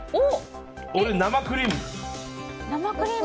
俺、生クリーム。